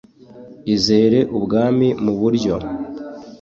Izere ubwami mu buryo